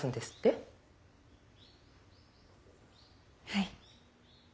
はい。